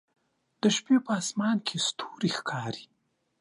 د شپې په اسمان کې ستوري ښکاري